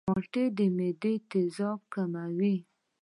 مالټې د معدې تیزابیت کموي.